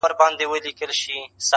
د خوشدل نعرې به ډېرې اوکـــــــړې ياره!